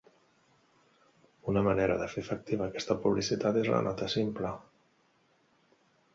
Una manera de fer efectiva aquesta publicitat és la nota simple.